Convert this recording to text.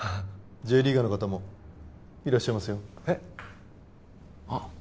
Ｊリーガーの方もいらっしゃいますよえっあ